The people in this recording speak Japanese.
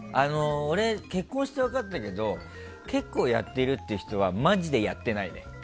俺、結婚して分かったけど結構やってるって言う人はマジでやってないね。